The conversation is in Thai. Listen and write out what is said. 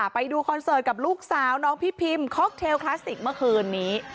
ไปดูคอนเสิร์ตกับลูกสาวน้องพี่พิมค็อกเทลคลาสสิกเมื่อคืนนี้